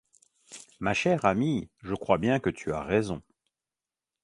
Ma chère amie, je crois bien que tu as raison.